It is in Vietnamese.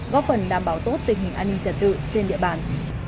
góp phần đảm bảo tốt tình hình an ninh trật tự trên địa bàn